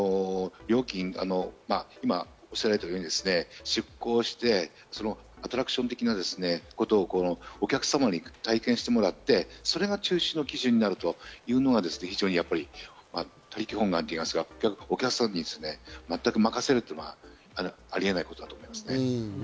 今おっしゃられているように出航してアトラクション的なことをお客様に体験してもらって、それが中止の基準になるというのが他力本願というか、お客さんにまったく任せるというのがありえないことだと思いますね。